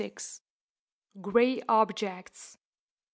GREY OBJECTS.